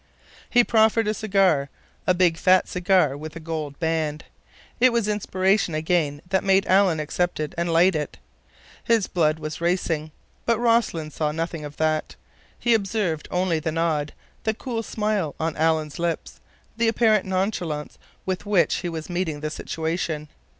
He proffered a cigar, a big, fat cigar with a gold band. It was inspiration again that made Alan accept it and light it. His blood was racing. But Rossland saw nothing of that. He observed only the nod, the cool smile on Alan's lips, the apparent nonchalance with which he was meeting the situation.